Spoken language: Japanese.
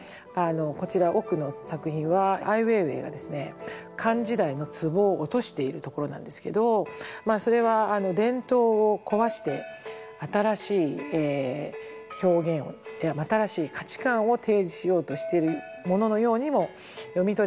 こちら奥の作品はアイ・ウェイウェイがですね漢時代の壺を落としているところなんですけどまあそれは伝統を壊して新しい表現を新しい価値観を提示しようとしているもののようにも読み取れますし。